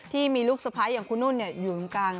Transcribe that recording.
ที่มีลูกสะพ้ายอย่างคุณนุ่นอยู่ตรงกลาง